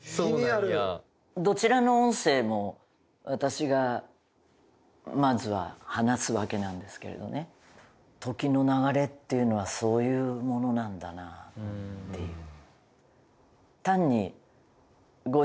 どちらの音声も私がまずは話すわけなんですけれどね時の流れっていうのはそういうものなんだなっていう。